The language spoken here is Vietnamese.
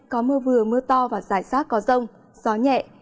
có mưa vừa mưa to và rải rác có rông gió nhẹ